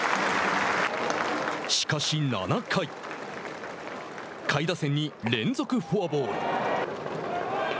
しかし７回下位打線に連続フォアボール。